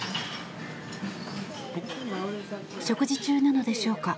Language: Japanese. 食事中なのでしょうか。